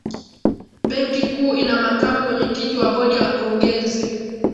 benki kuu ina makamu mwenyekiti wa bodi ya wakurugenzi